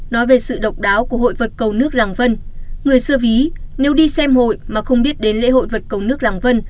nói về sự độc đáo của hội vật cầu nước làng vân người xưa ví nếu đi xem hội mà không biết đến lễ hội vật cầu nước làng vân